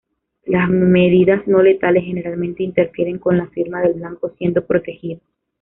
Las medidas no letales generalmente interfieren con la firma del blanco siendo protegido.